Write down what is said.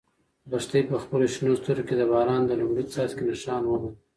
لښتې په خپلو شنه سترګو کې د باران د لومړي څاڅکي نښان وموند.